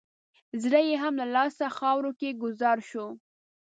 زړه یې هم له لاسه خاورو کې ګوزار شو.